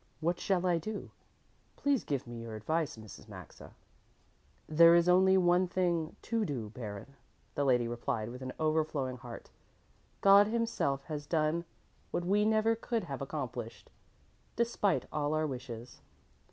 What shall I do? Please give me your advice, Mrs. Maxa." "There is only one thing to do, Baron," the lady replied with an overflowing heart. "God Himself has done what we never could have accomplished, despite all our wishes.